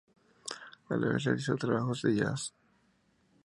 A la vez realizó trabajos de Jazz.